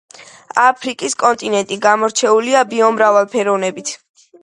აფრიკის კონტინენტი გამორჩეულია ბიომრავალფეროვნებით